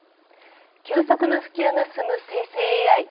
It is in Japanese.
急速な普及が進む生成ＡＩ。